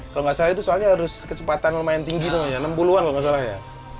kalau nggak salah itu soalnya harus kecepatan lumayan tinggi dong ya enam puluh an kalau nggak salah ya